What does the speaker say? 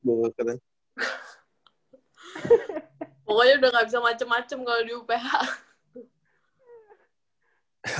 pokoknya udah gak bisa macem macem kalo di uph